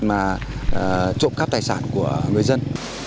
mà trộm khắp tài sản của người dân